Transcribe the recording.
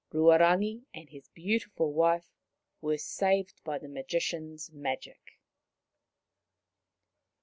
Ruarangi and his beautiful wife were saved by the Magician's magic.